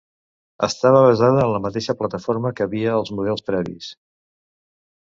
Estava basada en la mateixa plataforma que havia als models previs.